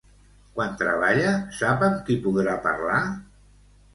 Quan treballa, sap amb qui podrà parlar?